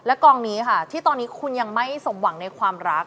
กองนี้ค่ะที่ตอนนี้คุณยังไม่สมหวังในความรัก